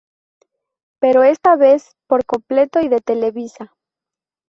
Pero esta vez, por completo y de Televisa.